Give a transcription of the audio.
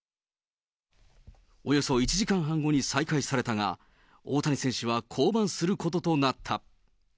およそ１時間半後に再開されたが、大谷選手は降板することとなった。